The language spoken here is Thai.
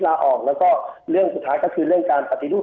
แล้วก็เรื่องสุดท้ายก็คือเรื่องการหัตติรูบ